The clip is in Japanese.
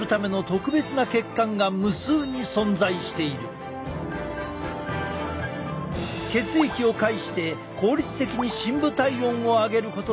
実は血液を介して効率的に深部体温を上げることで発汗を促進。